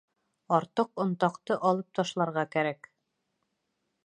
Артыҡ онтаҡты алып ташларға кәрәк.